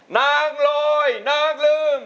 นางลอยนางลืม